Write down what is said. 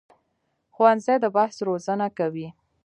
ښوونځی د بحث روزنه کوي